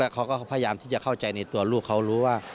เขาก็พยายามที่จะเข้าใจในตัวลูกเขารู้ว่า